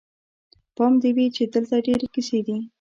پام دې وي چې دلته ډېرې کیسې دي.